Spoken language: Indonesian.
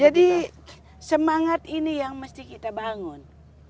jadi semangat ini yang mesti kita bangun